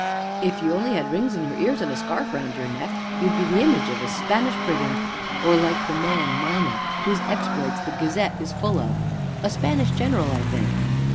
"If you only had rings in your ears, and a scarf round your head, you would be the image of a Spanish brigand or like the man Mina whose exploits The Gazette is full of a Spanish general, I think."